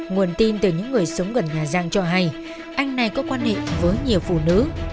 nguồn tin từ những người sống gần nhà giang cho hay anh này có quan hệ với nhiều phụ nữ